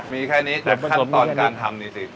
มีแค่นี้แต่ขั้นตอนการทำจริง